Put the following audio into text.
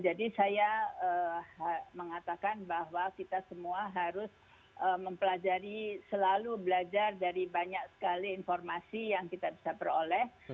jadi saya mengatakan bahwa kita semua harus mempelajari selalu belajar dari banyak sekali informasi yang kita bisa peroleh